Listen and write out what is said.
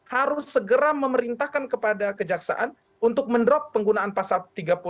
harus segera memerintahkan kepada kejaksaan untuk mendrop penggunaan pasal tiga puluh enam